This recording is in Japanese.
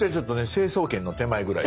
成層圏の手前ぐらい。